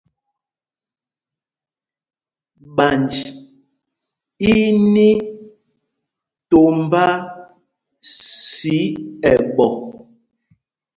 Ɓanj í í ní tombá sī ɛɓɔ.